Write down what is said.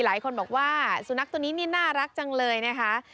หลายคนบอกว่าสุนัขตัวนี้นี่น่ารักจังเลยนะคะ